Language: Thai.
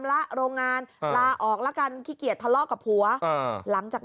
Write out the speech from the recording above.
ละโรงงานลาออกแล้วกันขี้เกียจทะเลาะกับผัวหลังจาก